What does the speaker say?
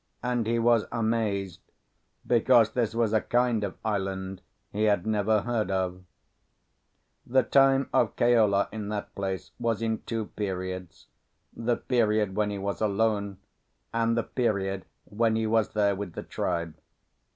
And he was amazed, because this was a kind of island he had never heard of. The time of Keola in that place was in two periods—the period when he was alone, and the period when he was there with the tribe.